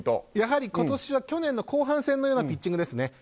やはり今年は去年の後半戦のようなピッチングですね。